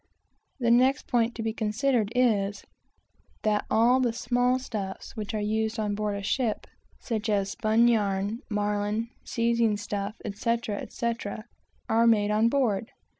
The next point to be considered is, that all the "small stuffs" which are used on board a ship such as spun yarn, marline, seizing stuff, etc. are made on board.